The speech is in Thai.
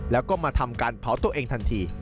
แล้วก็มาทำการเผาตัวเองทันที